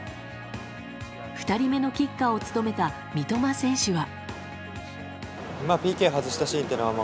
２人目のキッカーを務めた三笘選手は。